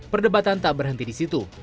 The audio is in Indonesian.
perdebatan tak berhenti di situ